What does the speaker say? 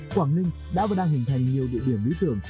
quảng ninh đã và đang hình thành nhiều địa điểm lý tưởng